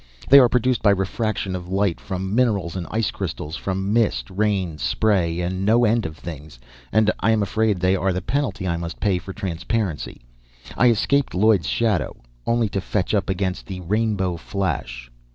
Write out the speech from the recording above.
They are produced by refraction of light from mineral and ice crystals, from mist, rain, spray, and no end of things; and I am afraid they are the penalty I must pay for transparency. I escaped Lloyd's shadow only to fetch up against the rainbow flash."